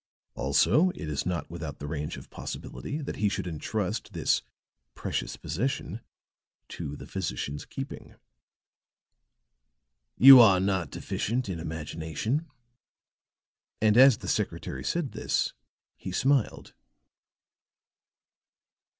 Also it is not without the range of possibility that he should entrust this precious possession to the physician's keeping." "You are not deficient in imagination." And as the secretary said this he smiled.